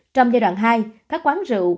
trong giai đoạn hai các quán rượu